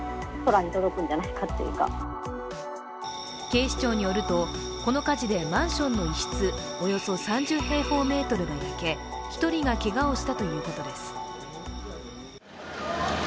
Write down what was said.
警視庁によると、この火事でマンションの一室およそ３０平方メートルが焼け１人がけがをしたということです。